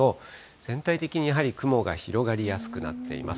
全体的にやはり雲が広がりやすくなっています。